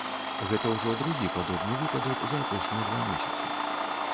Гэта ўжо другі падобны выпадак за апошнія два месяцы.